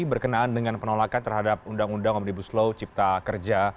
berkenaan dengan penolakan terhadap undang undang omnibus law cipta kerja